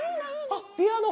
あっピアノ！